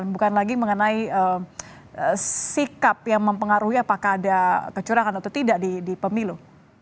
bukan lagi mengenai sikap yang mempengaruhi apakah ada kecurangan atau tidak di pemilu